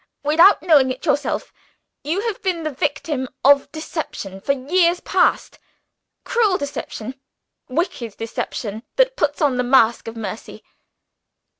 Without knowing it yourself, you have been the victim of deception for years past cruel deception wicked deception that puts on the mask of mercy."